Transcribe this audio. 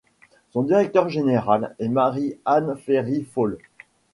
Son directeur général est Marie-Anne Ferry-Fall.